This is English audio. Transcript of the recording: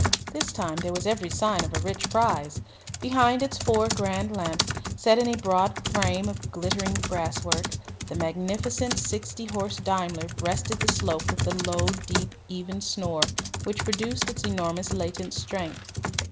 This time there was every sign of a rich prize. Behind its four grand lamps set in a broad frame of glittering brasswork the magnificent sixty horse Daimler breasted the slope with the low, deep, even snore which proclaimed its enormous latent strength.